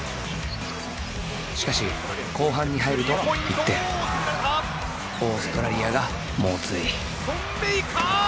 しかし後半に入ると一転オーストラリアが猛追ソン・メイカー！